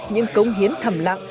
những công hiến thầm lặng